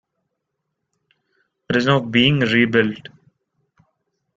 It is now being rebuilt.